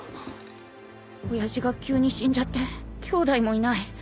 親父が急に死んじゃってきょうだいもいない。